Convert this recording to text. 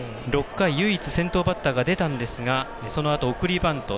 ６回、唯一先頭バッターが出たんですがそのあと送りバント。